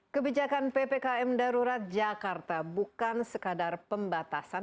kebijakan ppkm darurat jakarta bukan sekadar pembatasan